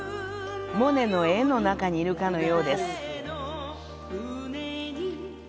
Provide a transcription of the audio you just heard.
モネの絵の中にいるかのようです。